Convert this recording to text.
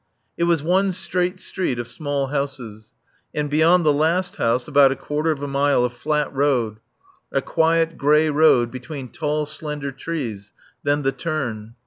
It was one straight street of small houses, and beyond the last house about a quarter of a mile of flat road, a quiet, grey road between tall, slender trees, then the turn.